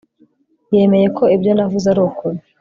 yemeye ko ibyo navuze ari ukuri